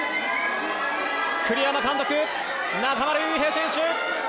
栗山監督、中村悠平選手